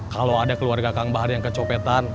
kalau ada keluarga kang bahar yang kecopetan